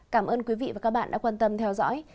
cảm ơn quý vị và các bạn đã quan tâm theo dõi